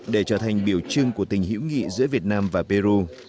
để trở thành biểu trưng của tình hữu nghị giữa việt nam và peru